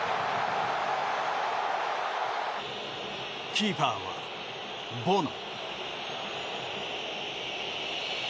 キーパーはボノ。